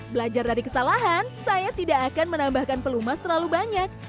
belajar dari kesalahan saya tidak akan menambahkan pelumas terlalu banyak